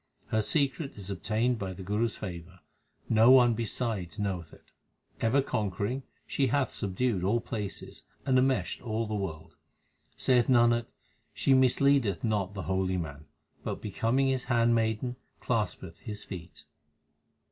Her secret is obtained by the Guru s favour ; no one besides knoweth it. Ever conquering she hath subdued all places, and enmeshed all the world ; Saith Nanak, she misleadeth not the holy man, but becoming his handmaiden claspeth his feet.